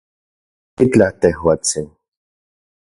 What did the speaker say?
Machitlaj, tejuatsin